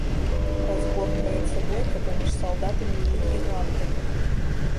Разгортваецца бойка паміж салдатамі і гігантамі.